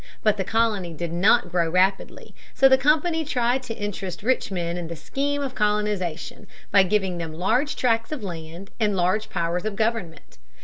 But the colony did not grow rapidly, so the Company tried to interest rich men in the scheme of colonization, by giving them large tracts of land and large powers of government.